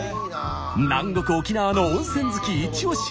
南国沖縄の温泉好きイチオシ。